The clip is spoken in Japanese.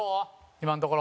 今のところ。